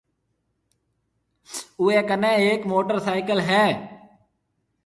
اوئيَ ڪنيَ ھيَََڪ موٽرسائيڪل ھيََََ